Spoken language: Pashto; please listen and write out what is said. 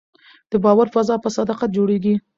د باور فضا په صداقت جوړېږي